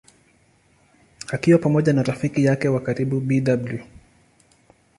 Akiwa pamoja na rafiki yake wa karibu Bw.